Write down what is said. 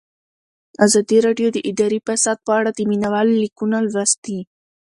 ازادي راډیو د اداري فساد په اړه د مینه والو لیکونه لوستي.